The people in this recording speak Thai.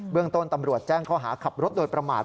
เรื่องต้นตำรวจแจ้งข้อหาขับรถโดยประมาท